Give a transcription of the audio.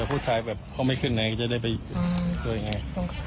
แต่ผู้ชายเขาไม่ขึ้นไหนจะได้ไปด้วยยังไง